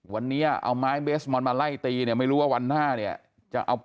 วันนี้เอาไม้เบสบอลมาไล่ตีเนี่ยไม่รู้ว่าวันหน้าเนี่ยจะเอา